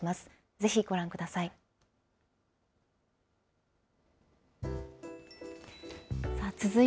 ぜひ、ご覧ください。